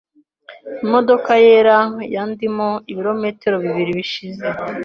Imodoka yera yandimo ibirometero bibiri bishize.